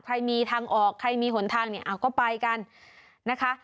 ใครมีทางออกใครมีหนทางเนี่ยก็ไปกันนะคะ